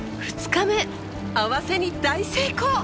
２日目アワセに大成功！